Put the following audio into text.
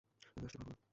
আমি আসতে পারবো না।